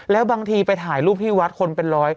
แล้วบางทีไปถ่ายรูปที่วัดคนเป็นร้อย